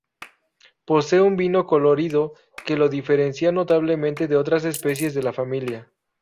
Posee un vivo colorido que lo diferencia notablemente de otras especies de la familia.